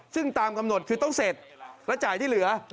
ซึ่งตามกำหนดคือต้องเสร็จและจ่ายที่เหลือ